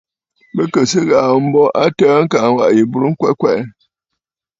Bɨ kɨ̀ sɨ ghàà ghu mbo a təə kaa waʼà yi burə ŋkwɛ kwɛʼɛ.